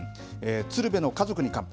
鶴瓶の家族に乾杯。